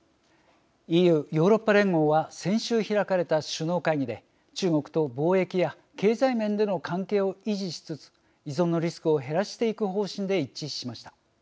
ＥＵ＝ヨーロッパ連合は先週開かれた首脳会議で中国と貿易や経済面での関係を維持しつつ依存のリスクを減らしていく方針で一致しました。